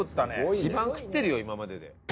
一番食ってるよ今までで。